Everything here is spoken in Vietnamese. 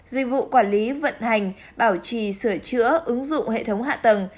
dịch vụ quản lý vận hành bảo trì sửa chữa ứng dụng hệ thống hạ tầng